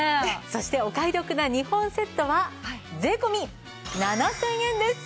そしてお買い得な２本セットは税込７０００円です。